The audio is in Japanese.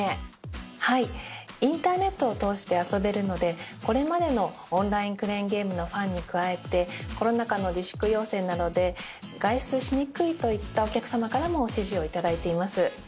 インターネットを通して遊べるのでこれまでのオンラインクレーンゲームのファンに加えてコロナ禍の自粛要請などで外出しにくいといったお客様からも支持を頂いています。